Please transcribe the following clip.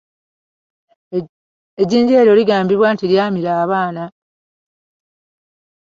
Ejjinja eryo ligambibwa nti lyamira abaana.